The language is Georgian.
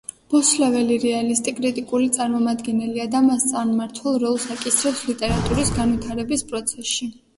ბოსლეველი რეალისტი კრიტიკული წარმომადგენელია და მას წარმმართველ როლს აკისრებს ლიტერატურის განვითარების პროცესში.